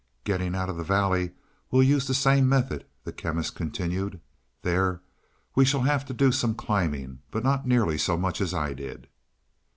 "Getting out of the valley we'll use the same methods," the Chemist continued. "There we shall have to do some climbing, but not nearly so much as I did."